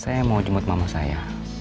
saya mau jemut mama saya